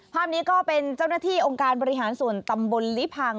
ภาพนี้ก็เป็นเจ้าหน้าที่องค์การบริหารส่วนตำบลลิพัง